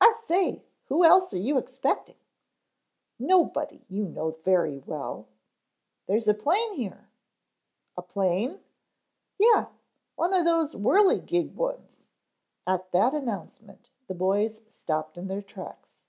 "I say, who else are you expecting?" "Nobody, you know very well." "There's a plane here " "A plane?" "Yeh. One of those whirligig ones." At that announcement the boys stopped in their tracks.